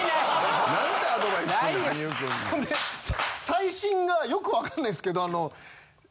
最新がよく分かんないですけど。